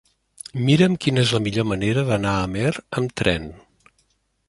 Mira'm quina és la millor manera d'anar a Amer amb tren.